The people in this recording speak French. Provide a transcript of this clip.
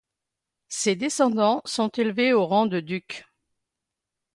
Ses descendants sont élevés au rang de ducs.